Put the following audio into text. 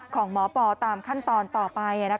ของหมอปอตามขั้นตอนต่อไป